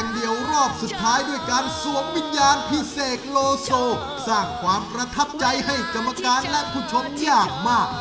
บ๊อกพิเศษจริง